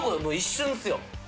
もう一瞬ですよ